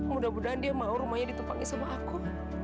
mudah mudahan dia mau rumahnya ditumpangi sama aku